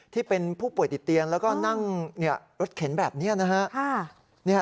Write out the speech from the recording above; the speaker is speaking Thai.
ที่เป็นผู้ป่วยติดเตียงแล้วก็นั่งรถเข็นแบบนี้นะฮะ